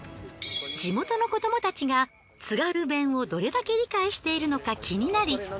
地元の子どもたちが津軽弁をどれだけ理解しているのか気になり。